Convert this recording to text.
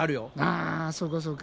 あそうかそうか。